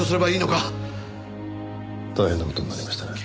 大変な事になりましたね。